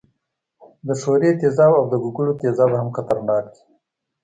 د ښورې تیزاب او د ګوګړو تیزاب هم خطرناک دي.